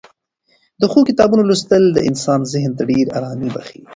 د ښو کتابونو لوستل د انسان ذهن ته ډېره ارامي بښي.